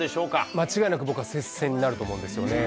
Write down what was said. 間違いなく、僕は接戦になると思うんですよね。